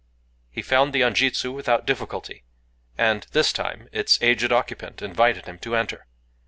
He found the anjitsu without any difficulty; and, this time, its aged occupant invited him to enter.